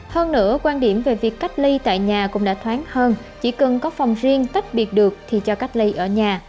hơn nữa quan điểm về việc cách ly tại nhà cũng đã thoáng hơn chỉ cần có phòng riêng tách biệt được thì cho cách ly ở nhà